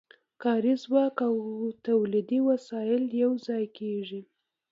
کاري ځواک او تولیدي وسایل یوځای کېږي